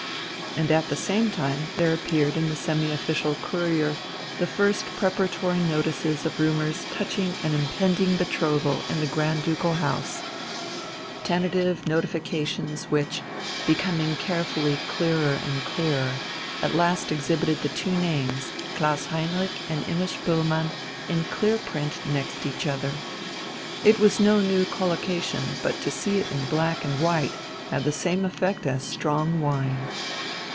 And at the same time there appeared in the semi official Courier the first preparatory notices of rumours touching an impending betrothal in the Grand Ducal House tentative notifications which, becoming carefully clearer and clearer, at last exhibited the two names, Klaus Heinrich and Imma Spoelmann, in clear print next each other.... It was no new collocation, but to see it in black on white had the same effect as strong wine.